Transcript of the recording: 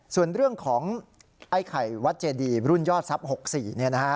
ส่วนเรื่องของไอ้ไข่วัดเจดีรุ่นยอดทรัพย์๖๔